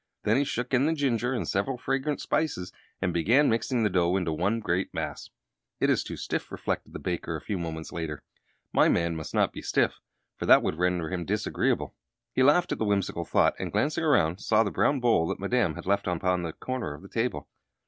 Then he shook in the ginger and several fragrant spices, and began mixing the dough into one great mass. "It is too stiff," reflected the baker, a few moments later. "My man must not be stiff, for that would render him disagreeable." He laughed at the whimsical thought, and glancing around, saw the brown bowl that Madame had left sitting upon a corner of the table.